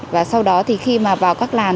và sau đó thì khi mà vào các làn